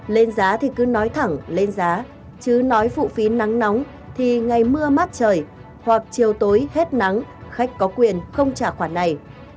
lên giá thì cứ nói thẳng lên giá chứ nói phụ phí nắng nóng thì ngày mưa mát trời hoặc chiều tối hết nắng khách có quyền không trả khoản này